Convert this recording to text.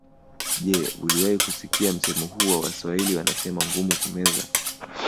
Je uliwahi kusikia msemo huu wa Waswahili wanasema ngumu kumeza